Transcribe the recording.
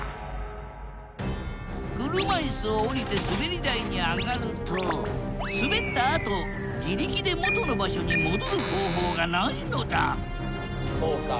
車いすを降りてすべり台に上がるとすべったあと自力で元の場所に戻る方法がないのだそうか。